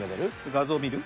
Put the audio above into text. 画像見る？